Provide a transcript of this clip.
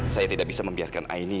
saya tidak bisa membiarkan aini